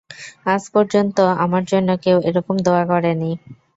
আজ পর্যন্ত আমার জন্য কেউ এরকম দোয়া করে নি।